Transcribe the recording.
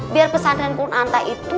biar pesan renkun anta itu